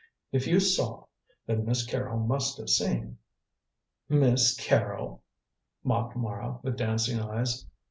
"If you saw, then Miss Carrol must have seen." "Miss Carrol!" mocked Mara, with dancing eyes.